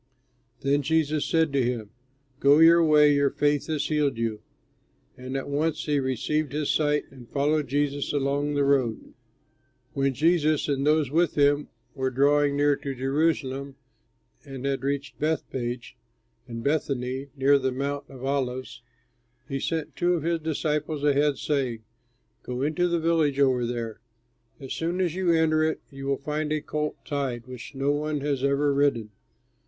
Then Jesus said to him, "Go your way, your faith has healed you." And at once he received his sight, and followed Jesus along the road. When Jesus and those with him were drawing near to Jerusalem and had reached Bethpage and Bethany, near the Mount of Olives, he sent two of his disciples ahead, saying, "Go into the village over there. As soon as you enter it, you will find a colt tied, which no one has ever ridden.